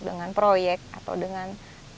dengan proyek atau dengan